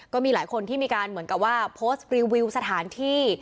ก็มีหลายคนที่มีการเหมือนกับว่าโพสต์รีวิวสถานที่